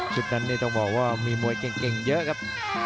นั้นต้องบอกว่ามีมวยเก่งเยอะครับ